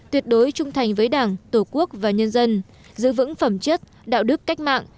tuyệt đối trung thành với đảng tổ quốc và nhân dân giữ vững phẩm chất đạo đức cách mạng